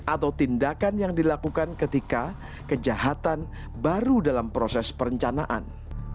atau tindakan yang dilakukan ketika kejahatan baru dalam proses perencanaan